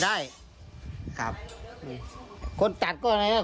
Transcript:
ไม่ออกเลย